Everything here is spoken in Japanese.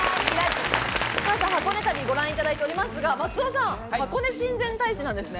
箱根旅、ご覧いただいてますが、松尾さんは、はこね親善大使なんですね。